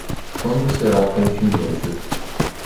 Quando será a contingência?